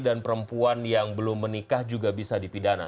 dan perempuan yang belum menikah juga bisa dipidana